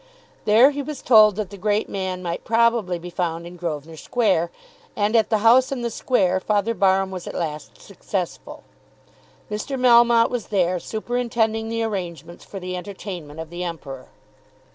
There he was told that the great man might probably be found in Grosvenor Square, and at the house in the square Father Barham was at last successful. Mr. Melmotte was there superintending the arrangements for the entertainment of the Emperor.